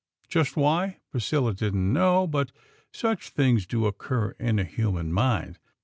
Just why, Priscilla didn't know; but such things do occur in a human mind.